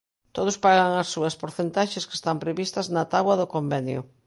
Todos pagan as súas porcentaxes que están previstas na táboa do convenio.